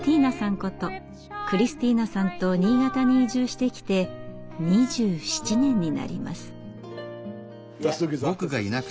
ことクリスティーナさんと新潟に移住してきて２７年になります。